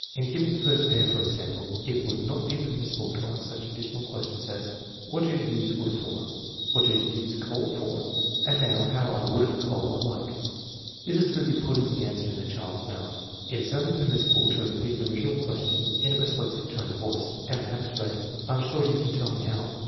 In giving the first pair, for example, it would not be permissible to ask such addi tional questions as, " What do you use wood for ? What do you use coal for ? And now, how are wood and coal alike ?" This is really putting the answer in the child's mouth. It is only permissible to repeat the original question in a per suasive tone of voice, and perhaps to add: "1 9 m sure you can tell me how